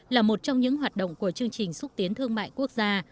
là một trong những hoạt động của chương trình xúc tiến thương mại quốc gia